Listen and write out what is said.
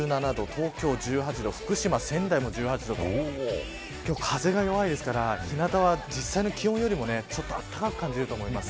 東京１８度福島、仙台でも１８度と今日は風が弱いですから日なたは実際の気温よりもあったかく感じると思います。